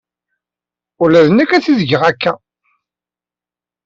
Ula d nekk ad t-id-geɣ akka.